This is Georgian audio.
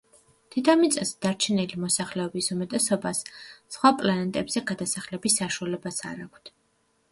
დედამიწაზე დარჩენილი მოსახლეობის უმეტესობას სხვა პლანეტებზე გადასახლების საშუალებაც არ აქვთ.